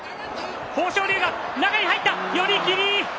豊昇龍が中に入った、寄り切り。